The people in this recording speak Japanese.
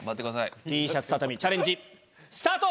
Ｔシャツたたみチャレンジスタート！